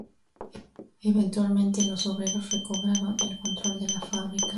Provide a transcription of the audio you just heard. Eventualmente los obreros recobraron el control de la fábrica.